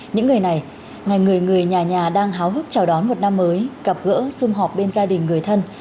những người này ngày người người nhà nhà đang háo hức chào đón một năm mới gặp gỡ xung họp bên gia đình người thân